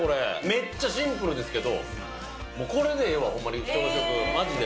めっちゃシンプルですけど、もうこれでええわ、ほんまに朝食、まじで。